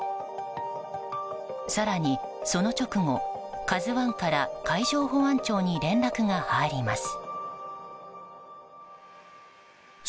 更に、その直後「ＫＡＺＵ１」から海上保安庁に連絡が入ります。